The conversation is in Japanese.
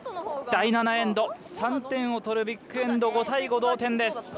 第７エンド３点を取るビッグ・エンド５対５、同点です。